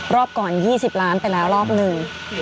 รอบก่อน๒๐ล้านไปแล้วรอบหนึ่ง